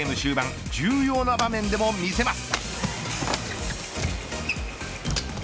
第１ゲーム終盤重要な場面でも見せます。